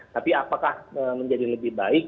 tapi apakah menjadi lebih baik